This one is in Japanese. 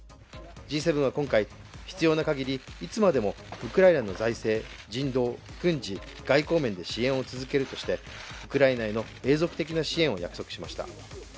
Ｇ７は今回、必要なかぎりいつまでもウクライナの財政・人道・軍事・外交面で支援を続けるとして、ウクライナへの永続的な支援を約束しました。